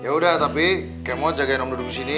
yaudah tapi kemot jagain om dudung sini